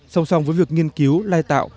song song với việc nghiên cứu lai tạo